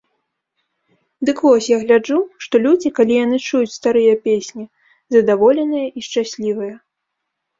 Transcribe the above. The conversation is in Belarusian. Дык вось, я гляджу, што людзі, калі яны чуюць старыя песні, задаволеныя і шчаслівыя.